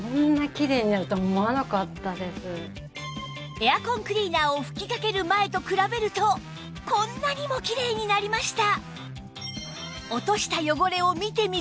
エアコンクリーナーを吹きかける前と比べるとこんなにもきれいになりました！